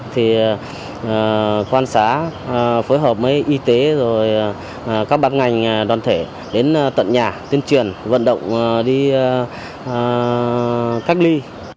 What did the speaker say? thì quan sát phối hợp với y tế các bán ngành đoàn thể đến tận nhà tuyên truyền vận động đi cách ly